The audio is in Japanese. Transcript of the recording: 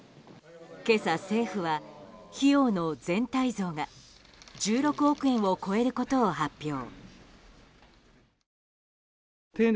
今朝、政府は費用の全体像が１６億円を超えることを発表。